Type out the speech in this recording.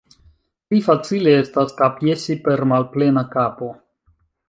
Pli facile estas kapjesi per malplena kapo.